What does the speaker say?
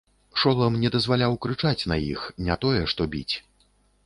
Шолам не дазваляў крычаць на іх, не тое што біць.